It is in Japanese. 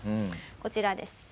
こちらです。